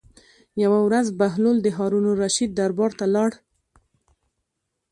یوه ورځ بهلول د هارون الرشید دربار ته لاړ.